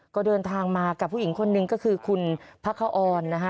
ก็เดินทางมากับผู้หญิงคนหนึ่งก็คือคุณพระคออนนะคะ